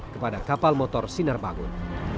kepada kapal motor sinar bangun